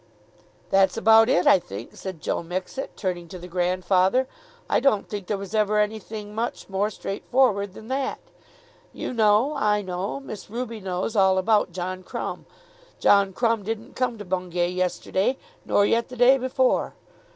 "That's about it, I think," said Joe Mixet, turning to the grandfather. "I don't think there was ever anything much more straightforward than that. You know, I know, Miss Ruby knows all about John Crumb. John Crumb didn't come to Bungay yesterday, nor yet the day before.